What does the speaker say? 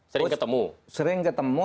sering ketemu sering ketemu